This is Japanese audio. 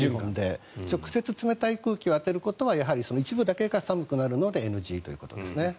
直接冷たい空気を当てることは一部だけが寒くなるのでＮＧということです。